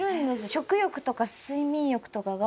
食欲とか睡眠欲とかが。